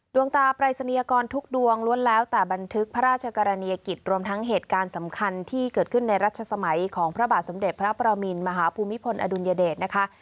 ดวงตาปรายศนียกรทุกดวงล้วนแล้วแต่บันทึกพระราชกรณียกิจรวมทั้งเหตุการณ์สำคัญที่เกิดขึ้นในรัชสมัยของพระบาทสมเด็จพระประมินมหาภูมิพลอดุลยเดชนะคะ